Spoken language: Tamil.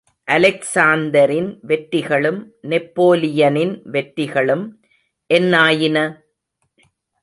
அலெக்சாந்தரின் வெற்றிகளும் நெப்போலியனின் வெற்றிகளும் என்னாயின!